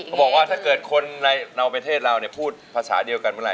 บอกว่าถ้าเกิดคนในประเทศเราพูดภาษาเดียวกันเมื่อไห